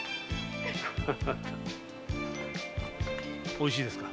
おいしいですか？